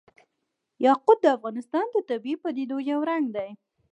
یاقوت د افغانستان د طبیعي پدیدو یو رنګ دی.